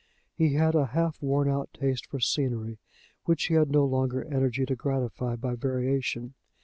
He had a half worn out taste for scenery which he had no longer energy to gratify by variation.